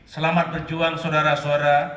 selamat berjuang saudara saudara